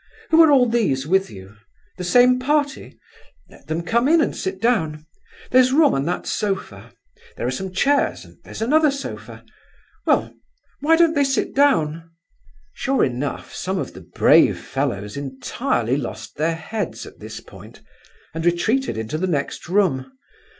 Who are all these with you? The same party? Let them come in and sit down. There's room on that sofa, there are some chairs and there's another sofa! Well, why don't they sit down?" Sure enough, some of the brave fellows entirely lost their heads at this point, and retreated into the next room.